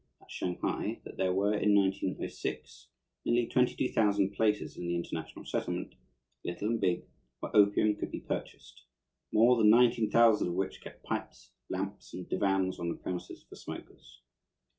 at Shanghai, that there were, in 1906, nearly 22,000 places in the international settlement, little and big, where opium could be purchased, more than 19,000 of which kept pipes, lamps, and divans on the premises for smokers.